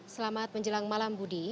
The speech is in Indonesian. selamat menjelang malam budi